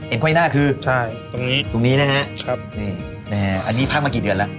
เอ็นไก้หน้าคือตรงนี้นะฮะอันนี้พักมากี่เดือนละ